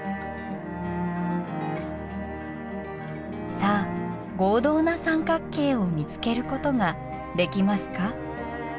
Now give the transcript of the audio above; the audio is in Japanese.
さあ合同な三角形を見つけることができますか？